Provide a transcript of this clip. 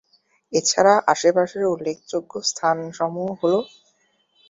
এছাড়া আশেপাশের উল্লেখযোগ্য স্থানসমূহ হলো-